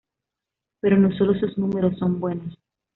Pero no sólo sus números son buenos.